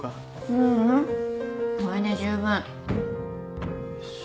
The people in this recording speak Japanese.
ううんこれで十分。